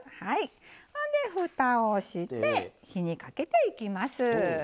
ほんで、ふたをして火にかけていきます。